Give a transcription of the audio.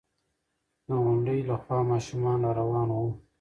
د غونډۍ له خوا ماشومان را روان وو.